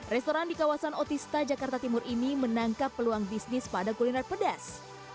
restoran di kawasan otista jakarta timur ini menangkap peluang bisnis pada kuliner pedas